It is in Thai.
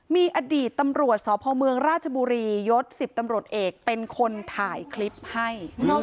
มีอดีตตำรวจสพเมืองราชบุรียศ๑๐ตำรวจเอกเป็นคนถ่ายคลิปให้